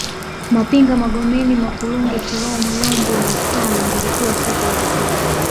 Mapinga Magomeni Makurunge Kiromo Yombo na Kitame lilipokuwa soko la watumwa